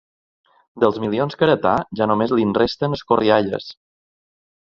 Dels milions que heretà ja només li'n resten escorrialles.